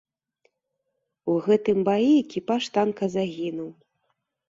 У гэтым баі экіпаж танка загінуў.